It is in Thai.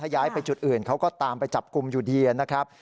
ย้ายไปจุดอื่นเขาก็ตามไปจับกลุ่มอยู่ดีนะครับ